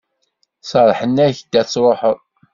Serrḥen-ak ad truḥeḍ.